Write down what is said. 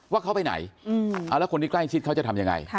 ว่าเขาไปไหนแล้วคนที่ใกล้ชิดเขาจะทำยังไง